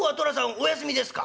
お休みですか？」。